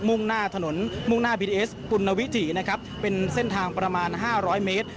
่งหน้าถนนมุ่งหน้าบีเอสปุณวิถีนะครับเป็นเส้นทางประมาณ๕๐๐เมตร